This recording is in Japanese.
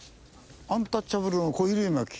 アンタッチャブルの小比類巻。